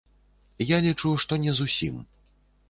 Я лічу, што не зусім.